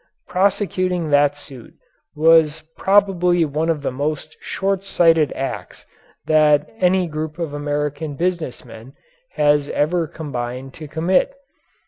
Prosecuting that suit was probably one of the most shortsighted acts that any group of American business men has ever combined to commit.